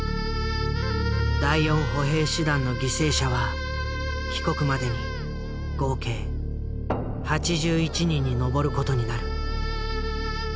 第４歩兵師団の犠牲者は帰国までに合計８１人に上る事になる。